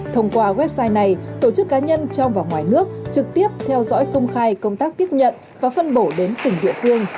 thông qua website này tổ chức cá nhân trong và ngoài nước trực tiếp theo dõi công khai công tác tiếp nhận và phân bổ đến từng địa phương